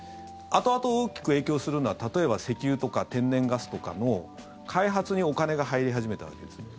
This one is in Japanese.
後々、大きく影響するのは例えば石油とか天然ガスとかの開発にお金が入り始めたわけです。